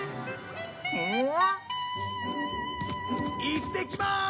いってきまーす！